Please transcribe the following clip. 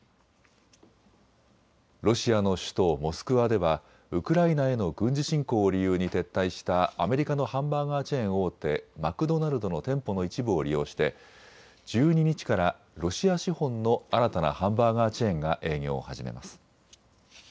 ロシアの首都モスクワではウクライナへの軍事侵攻を理由に撤退したアメリカのハンバーガーチェーン大手、マクドナルドの店舗の一部を利用して、１２日からロシア資本の新たなハンバーガーチェーンが営業を始めます。